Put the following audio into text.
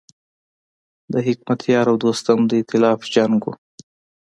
د حکمتیار او دوستم د ایتلاف جنګ و.